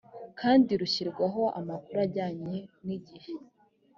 kandi rushyirwaho amakuru ajyanye n igihe